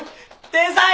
天才！